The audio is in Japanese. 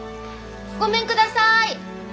ごめんください！